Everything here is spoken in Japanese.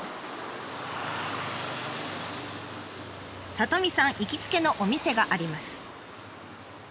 里美さん行きつけのお店があります。